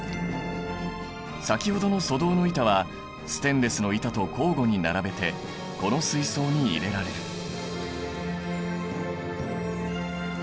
先ほどの粗銅の板はステンレスの板と交互に並べてこの水槽に入れられる。